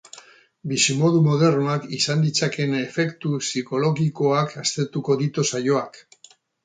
Bizimodu modernoak izan ditzakeen efektu psikologikoak aztertuko ditu saioak.